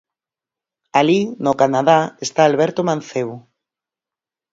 Alí, no Canadá, está Alberto Mancebo.